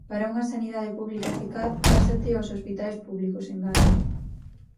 "Para unha sanidade publica eficaz, pásate aos hospitais públicos", engade.